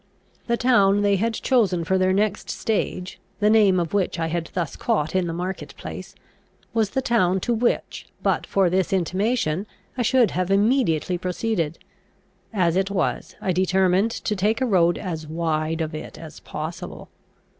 The town they had chosen for their next stage, the name of which I had thus caught in the market place, was the town to which, but for this intimation, I should have immediately proceeded. As it was, I determined to take a road as wide of it as possible.